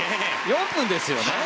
４分ですよね。